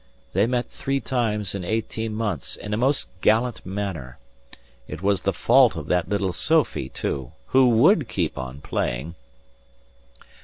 They met three times in eighteen months in a most gallant manner. It was the fault of that little Sophie, too, who would keep on playing..."